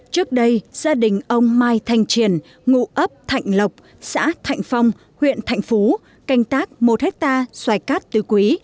trước đây gia đình ông mai thanh triển ngụ ấp thạnh lộc xã thạnh phong huyện thạnh phú canh tác một hectare xoài cát tứ quý